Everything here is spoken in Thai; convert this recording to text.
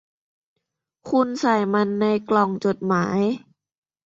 คุณใส่มันในกล่องจดหมาย